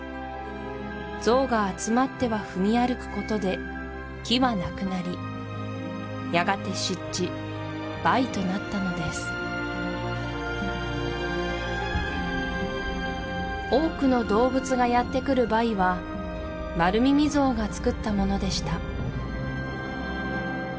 ゾウが集まっては踏み歩くことで木はなくなりやがて湿地バイとなったのです多くの動物がやってくるバイはマルミミゾウがつくったものでした